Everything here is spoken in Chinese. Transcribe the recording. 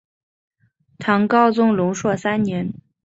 唐高宗龙朔三年。